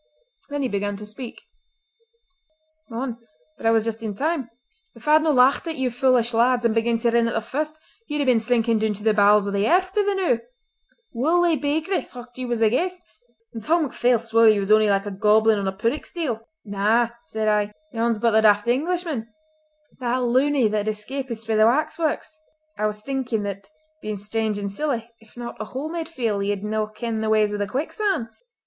Then he began to speak: "Mon! but I was just in time. If I had no laucht at yon foolish lads and begun to rin at the first you'd a bin sinkin' doon to the bowels o' the airth be the noo! Wully Beagrie thocht you was a ghaist, and Tom MacPhail swore ye was only like a goblin on a puddick steel! 'Na!' said I. 'Yon's but the daft Englishman—the loony that had escapit frae the waxwarks.' I was thinkin' that bein' strange and silly—if not a whole made feel—ye'd no ken the ways o' the quicksan'!